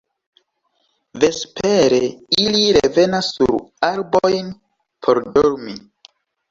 Vespere ili revenas sur arbojn por dormi.